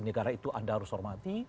negara itu anda harus hormati